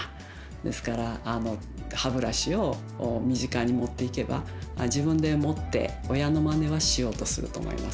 ですから歯ブラシを身近に持っていけば自分で持って親のまねはしようとすると思います。